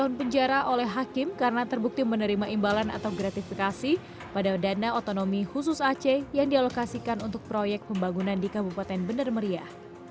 tahun penjara oleh hakim karena terbukti menerima imbalan atau gratifikasi pada dana otonomi khusus aceh yang dialokasikan untuk proyek pembangunan di kabupaten benar meriah